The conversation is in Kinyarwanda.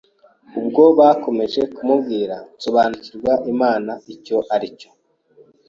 Ubwo bakomeje kumbwiriza nsobanukirwa Imana icyo ari cyo